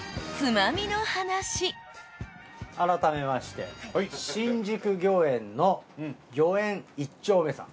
改めまして新宿御苑の魚縁一丁目さん。